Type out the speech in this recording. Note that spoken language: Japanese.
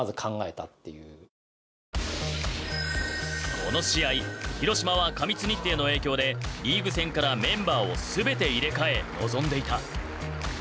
この試合広島は過密日程の影響でリーグ戦からメンバーを全て入れ替え臨んでいた。